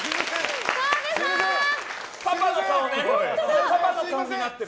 パパの顔になってる。